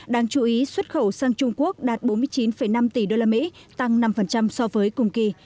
đáng chú ý xuất khẩu sang trung quốc đạt bốn mươi chín năm tỷ đô la mỹ tăng năm so với cùng kỳ